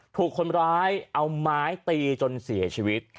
ถูกคนร้ายเอาไม้ตีจนเสียชีวิต